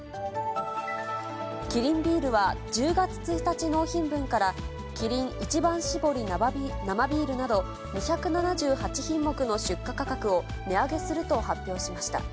キリンビールは、１０月１日納品分から、キリン一番搾り生ビールなど、２７８品目の出荷価格を値上げすると発表しました。